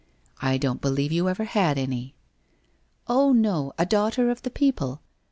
' I don't believe you ever had any.' i ' Oh, no, a daughter of the people !